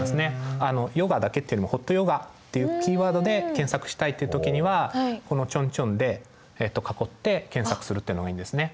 ヨガだけっていうよりも「ホットヨガ」っていうキーワードで検索したいっていう時にはこのチョンチョンで囲って検索するっていうのがいいんですね。